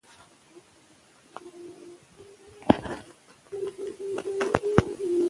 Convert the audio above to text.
که واوره اوبه وساتو نو سیندونه نه وچیږي.